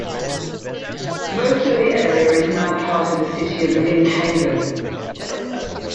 Most of the area is now part of the city of Lynn Haven.